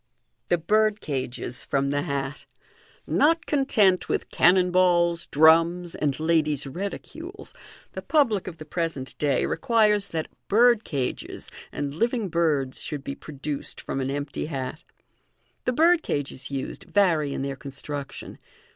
The Birdcages prom the Hat. — Not content with cannon balls, drums, and ladies' reticules, the public of the present day requires that birdcages and living birds should be produced from an empty hat. The birdcages used vary in their construction.